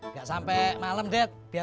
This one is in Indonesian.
gak sampe malam lagi ya